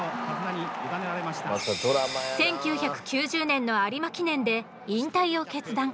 １９９０年の有馬記念で引退を決断。